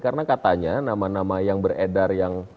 karena katanya nama nama yang beredar yang